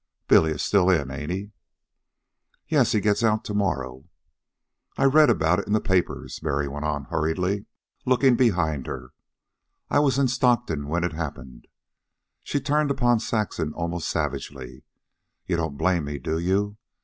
Billy's still in, ain't he?" "Yes, he gets out to morrow." "I read about it in the papers," Mary went on hurriedly, looking behind her. "I was in Stockton when it happened." She turned upon Saxon almost savagely. "You don't blame me, do you?